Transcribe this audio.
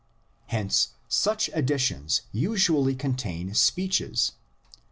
Hence such additions usually contain speeches.